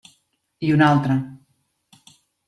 I una altra.